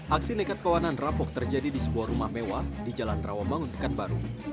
aksi nekat kawanan rapok terjadi di sebuah rumah mewah di jalan rawamangun pekanbaru